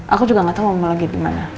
aku juga gatau mau lagi gimana